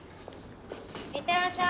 行ってらっしゃい。